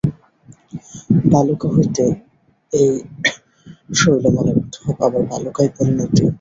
বালুকা হইতে এই শৈলমালার উদ্ভব, আবার বালুকায় পরিণতি।